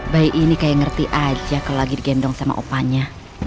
bayi ini kayak ngerti aja kalau lagi digendong sama opanya